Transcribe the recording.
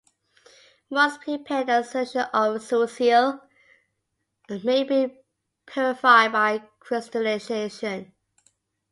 Once prepared, a solution of CuCl may be purified by crystallization.